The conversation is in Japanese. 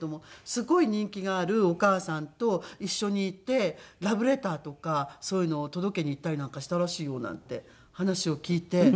「すごい人気があるお母さんと一緒にいてラブレターとかそういうのを届けに行ったりなんかしたらしいよ」なんて話を聞いて。